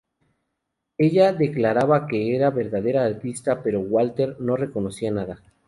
Ella declaraba que era la verdadera artista, pero Walter no reconocía nada.